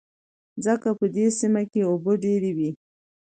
ځکه په دې سيمه کې اوبه ډېر وې.